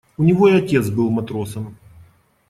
У него и отец был матросом.